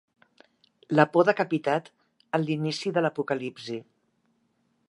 Lapó decapitat en l'inici de l'Apocalipsi.